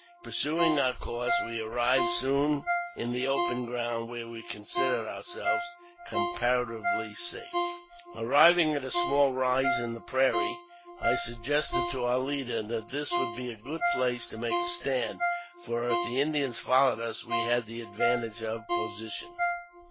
Pur suing our course, we arrived soon in the open ground, where we considered ourselves comparatively safe. Arriving at a small rise in the prairie, I suggested to our leader that this would be a good place to make a stand, for if the Indians followed us we had the advantage in position.